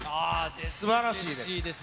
すばらしいです。